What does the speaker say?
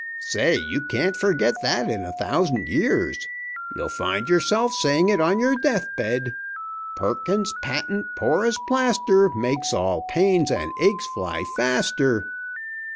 Say, you can't forget that in a thousand years. You'll find yourself saying it on your death bed: "'Perkins's Patent Porous Plaster Makes all pains and aches fly faster.'"